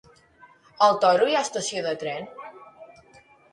A el Toro hi ha estació de tren?